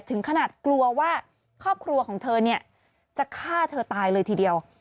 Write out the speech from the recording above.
ถึงขนาดกลัวว่าครอบครัวของเธอเนี่ยจะฆ่าเธอตายเลยทีเดียว